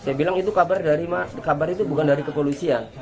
saya bilang itu kabar dari mas kabar itu bukan dari kepolisian